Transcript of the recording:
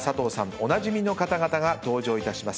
おなじみの方々が登場します。